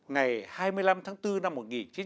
ngày hai mươi năm tháng bốn năm một nghìn chín trăm bảy mươi